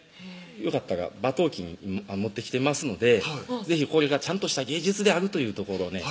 よかったら馬頭琴持ってきてますので是非これがちゃんとした芸術であるというところをね